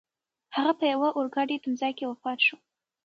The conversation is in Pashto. هغه په یوه اورګاډي تمځای کې وفات شو.